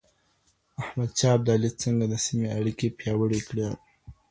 احمد شاه ابدالي څنګه د سیمې اړیکې پیاوړي کړي؟